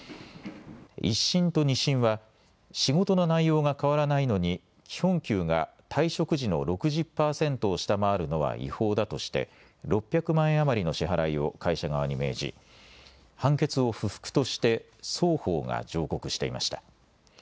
１審と２審は仕事の内容が変わらないのに基本給が退職時の６０％を下回るのは違法だとして６００万円余りの支払いを会社側に命じ判決を不服として双方が上告していました。